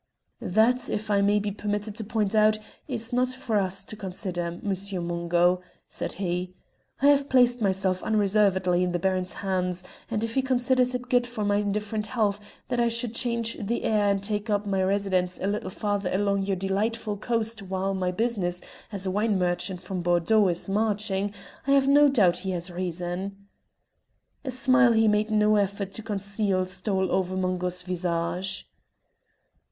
"That, if I may be permitted to point it out, is not for us to consider, Monsieur Mungo," said he. "I have placed myself unreservedly in the Baron's hands, and if he considers it good for my indifferent health that I should change the air and take up my residence a little farther along your delightful coast while my business as a wine merchant from Bordeaux is marching, I have no doubt he has reason." A smile he made no effort to conceal stole over Mungo's visage.